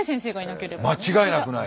間違いなくない。